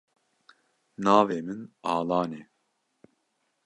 Navê min Alan e.